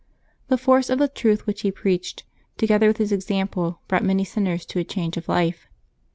The force of the truth which he preached, together with his example, brought many sinners to a change of life.